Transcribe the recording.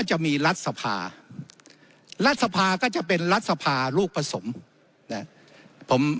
จะมีรัฐสภารัฐสภาก็จะเป็นรัฐสภาลูกผสมนะครับ